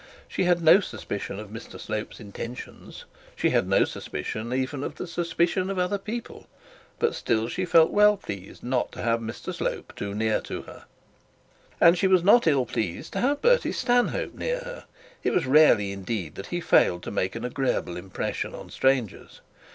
She had not suspicion of Mr Slope's intentions; she had no suspicion even of the suspicion of other people; but still she felt well pleased not to have Mr Slope too near to her. And she was not ill pleased to have Bertie Stanhope near her. It was rarely indeed that he failed to make an agreeable impression on strangers.